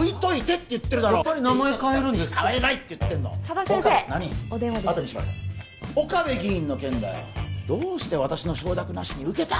あとにしろ岡部議員の件だよどうして私の承諾なしに受けた？